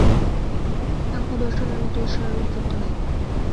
সাংখ্যদর্শনের মতে ঈশ্বরের অস্তিত্ব নাই।